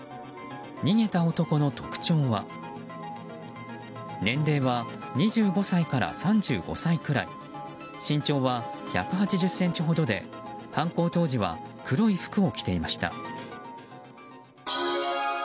逃げた男の特徴は年齢は２５歳から３５歳くらい身長は１８０ｃｍほどで犯行当時は黒い服を着ていました。